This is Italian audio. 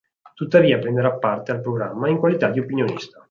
Tuttavia prenderà parte al programma in qualità di opinionista.